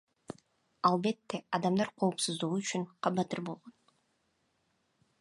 Албетте, адамдар коопсуздугу үчүн кабатыр болгон.